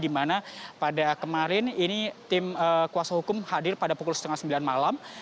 di mana pada kemarin ini tim kuasa hukum hadir pada pukul setengah sembilan malam